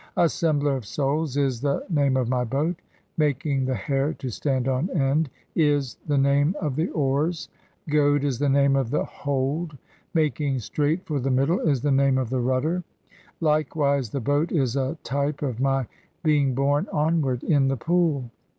'Assembler of Souls' (4) is the "name of my boat ; 'Making the hair to stand on end' is the "name of the oars; 'Goad' is the name of the (5) hold(?); "'Making straight for the middle' is the name of the rudder ; "likewise [the boat] is a type of my being borne onward (6) in "the pool.